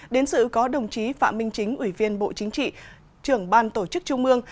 đến sự có đồng chí phạm minh chính ủy viên bộ chính trị trưởng ban tổ chức trung ương